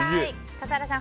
笠原さん